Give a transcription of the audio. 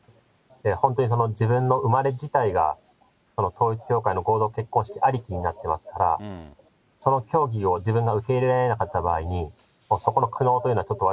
本当にその自分の生まれ自体が、統一教会の合同結婚式ありきになってますから、その教義を自分が受け入れられなかった場合に、そこの苦悩というのは、ちょっと